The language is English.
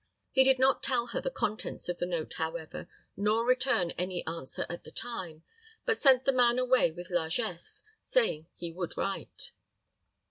He did not tell her the contents of the note, however, nor return any answer at the time, but sent the man away with largesse, saying he would write.